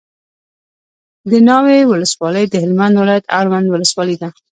دناوی ولسوالي دهلمند ولایت اړوند ولسوالي ده